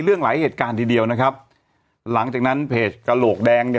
หลายเหตุการณ์ทีเดียวนะครับหลังจากนั้นเพจกระโหลกแดงเนี่ย